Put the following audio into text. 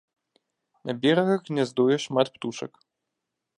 На берагах гняздуе шмат птушак.